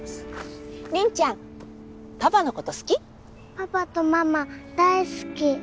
パパとママ大好き。